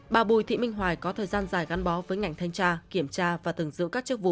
bà bùi thị minh hoài có thời gian dài gắn bó với ngành thanh tra kiểm tra và từng giữ các chức vụ